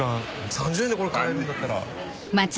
３０円でこれ買えるんだったら。